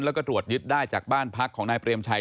แล้วก็ตรวจยึดได้จากบ้านพักของนายเปรมชัย